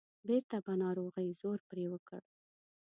بیرته به ناروغۍ زور پرې وکړ.